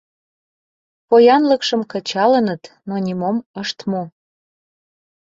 Поянлыкшым кычалыныт, но нимом ышт му.